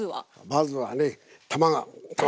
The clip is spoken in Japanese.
まずはね卵。